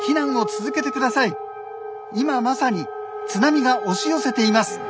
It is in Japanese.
今まさに津波が押し寄せています。